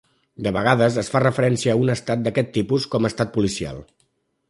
De vegades es fa referència a un estat d'aquest tipus com a estat policial.